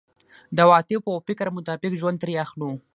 د عواطفو او فکر مطابق ژوند ترې اخلو.